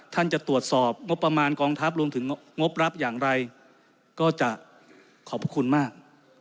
จะตรวจสอบงบประมาณกองทัพรวมถึงงบรับอย่างไรก็จะขอบพระคุณมาก